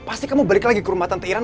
pasti kamu balik lagi ke rumah tante iran